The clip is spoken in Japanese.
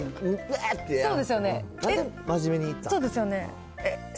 そうですよね。